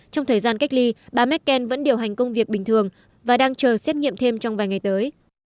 trong thời gian cách ly bà merkel vẫn điều hành công việc bình thường và đang chờ xét nghiệm thêm trong vài ngày tới